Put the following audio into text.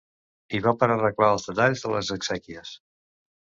Hi va per arreglar els detalls de les exèquies.